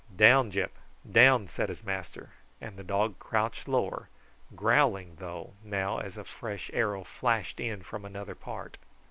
"Down, Gyp, down!" said his master; and the dog crouched lower, growling, though, now as a fresh arrow flashed in from another part.